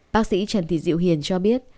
bác sĩ trần thị diệu hiền cho biết